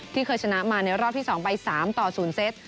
ที่เคยชนะไม่ในรอบที่สองใบสามต่อศูนย์เซต